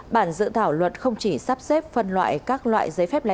bản dự thảo luật không chỉ sắp xếp phân loại các loại